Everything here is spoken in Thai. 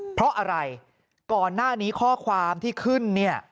เพราะอะไรก่อนหน้านี้ข้อความที่ขึ้นเนี่ย